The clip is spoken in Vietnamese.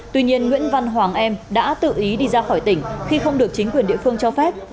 tuy nhiên nguyễn văn hoàng em đã tự ý đi ra khỏi tỉnh khi không được chính quyền địa phương cho phép